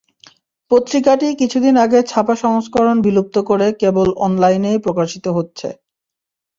পত্রিকাটি কিছুদিন আগে ছাপা সংস্করণ বিলুপ্ত করে কেবল অনলাইনেই প্রকাশিত হচ্ছে।